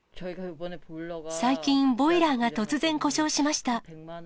最近、ボイラーが突然故障しました。